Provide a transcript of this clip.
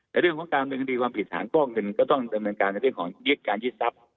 แต่เรื่องของการเมืองดีความผิดฐานฟอกเงินก็ต้องดำเนินการในเรื่องของยึดการยึดทรัพย์